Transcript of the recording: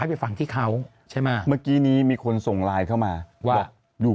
ไปฟังที่เขาใช่ไหมเมื่อกี้นี้มีคนส่งไลน์เข้ามาว่าบอกอยู่